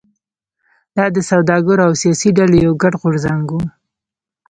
دا د سوداګرو او سیاسي ډلو یو ګډ غورځنګ و.